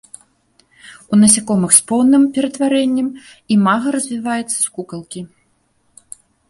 У насякомых з поўным ператварэннем імага развіваецца з кукалкі.